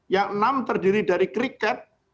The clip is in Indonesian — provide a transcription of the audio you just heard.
yang enam terdiri dari kriket